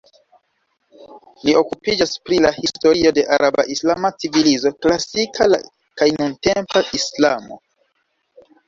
Li okupiĝas pri la historio de araba-islama civilizo, klasika kaj nuntempa islamo.